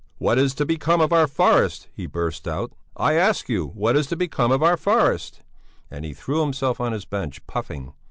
"What is to become of our forests?" he burst out. "I ask you, what is to become of our forests?" And he threw himself on his bench, puffing.